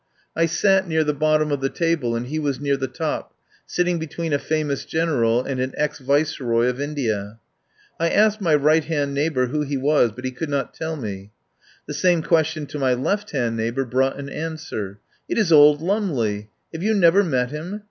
I sat near the bottom of the table, and he was near the top, sitting between a famous General and an ex Viceroy of India. I asked my right hand neighbour who he was, but he could not tell me. The same question to my left hand neighbour brought an answer: "It is old Lumley. Have you never met him?